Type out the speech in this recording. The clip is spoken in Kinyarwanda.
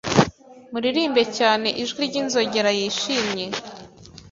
Muririmbe cyane Ijwi ryinzogera yishimye